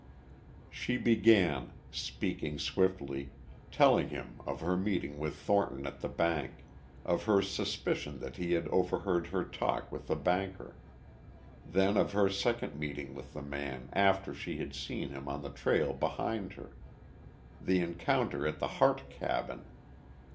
She began, speaking swiftly, telling him of her meeting with Thornton at the bank, of her suspicion that he had overheard her talk with the banker. Then of her second meeting with the man after she had seen him on the trail behind her, the encounter at the Harte cabin....